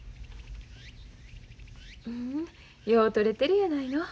よう撮れてるやないの。